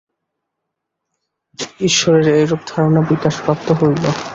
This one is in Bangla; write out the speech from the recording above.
ঈশ্বরের এইরূপ ধারণা বিকাশপ্রাপ্ত হইল।